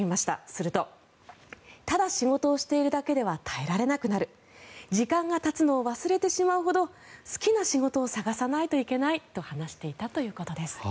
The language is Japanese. するとただ仕事をしているだけでは耐えられなくなる時間がたつのを忘れてしまうほど好きな仕事を探さないといけないと話していたということです。